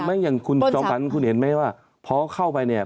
แต่ไม่อย่างคุณจอมพันธ์คุณเห็นไหมว่าพอเข้าไปเนี่ย